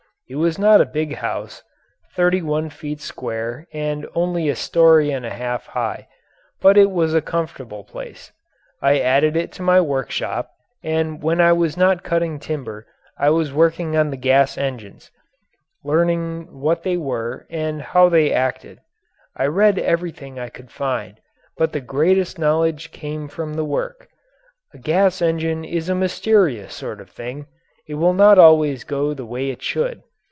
It was not a big house thirty one feet square and only a story and a half high but it was a comfortable place. I added to it my workshop, and when I was not cutting timber I was working on the gas engines learning what they were and how they acted. I read everything I could find, but the greatest knowledge came from the work. A gas engine is a mysterious sort of thing it will not always go the way it should.